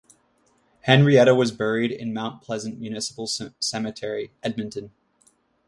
Henrietta was buried in Mount Pleasant Municipal Cemetery, Edmonton.